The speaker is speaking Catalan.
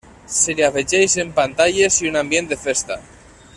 Se li afegeixen pantalles i un ambient de festa.